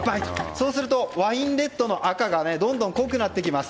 そうするとワインレッドの赤がどんどん濃くなっていきます。